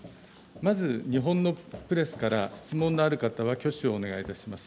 まず、日本のプレスから質問のある方は挙手をお願いいたします。